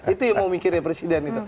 itu yang mau mikirnya presiden itu